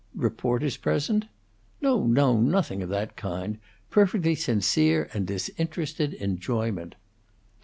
"Reporters present?" "No, no! Nothing of that kind; perfectly sincere and disinterested enjoyment."